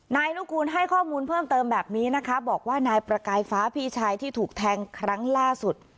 นายนุกูลให้ข้อมูลเพิ่มเติมแบบนี้นะคะบอกว่านายประกายฟ้าพี่ชายที่ถูกแทงครั้งล่าสุด